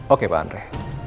oke pak andre